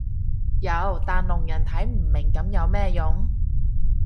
有但聾人睇唔明噉有咩用